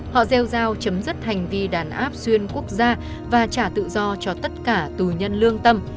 họ gieo giao chấm dứt hành vi đàn áp xuyên quốc gia và trả tự do cho tất cả tù nhân lương tâm